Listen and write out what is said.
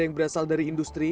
yang berasal dari industri